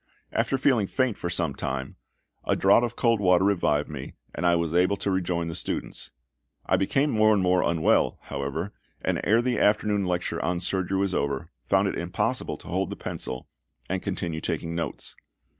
After feeling faint for some time, a draught of cold water revived me, and I was able to rejoin the students. I became more and more unwell, however, and ere the afternoon lecture on surgery was over found it impossible to hold the pencil and continue taking notes.